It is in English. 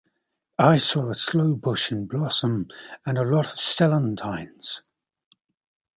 I saw a sloe-bush in blossom and a lot of celandines.